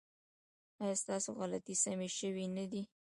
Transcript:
ایا ستاسو غلطۍ سمې شوې نه دي؟